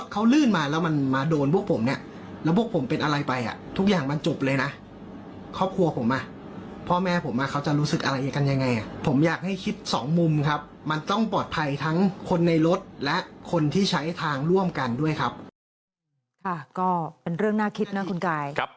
ก็เป็นเรื่องน่าคิดนะคุณกาย